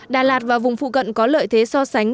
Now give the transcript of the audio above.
đà lạt và vùng phụ cận có lợi thế so sánh